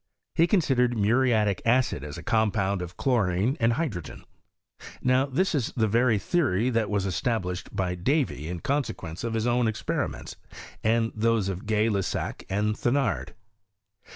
He considered muriatic acid as a compound of chlorine and hydrogen. Now VOL. II. p 66 HISTORY OF CHEMI8TRT. this is the very theory that was established by Davy • in consequence of his own experiments and tiiose of Gay Lussac and Thenard.